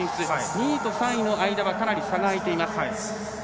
２位と３位の間はかなり差があいています。